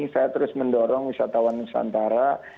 saya terus mendorong wisatawan nusantara